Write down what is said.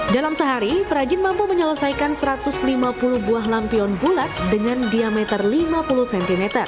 dalam sehari perajin mampu menyelesaikan satu ratus lima puluh buah lampion bulat dengan diameter lima puluh cm